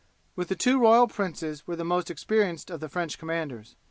With the two royal princes were the most experienced of the French commanders.